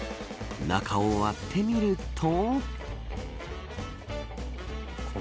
中を割ってみると。